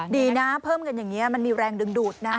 ดีนะเพิ่มเงินอย่างนี้มันมีแรงดึงดูดนะ